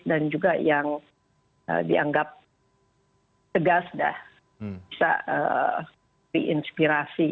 dan juga yang dianggap tegas dah bisa diinspirasi